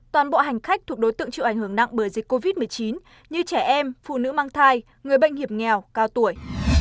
toàn bộ hành khách thuộc đối tượng chịu ảnh hưởng nặng bởi dịch covid một mươi chín như trẻ em phụ nữ mang thai người bệnh hiểm nghèo cao tuổi